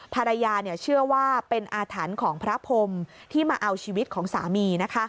เชื่อว่าเป็นอาถรรพ์ของพระพรมที่มาเอาชีวิตของสามี